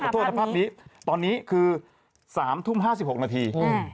ตอนนี้คือ๓ทุ่ม๕๖นาที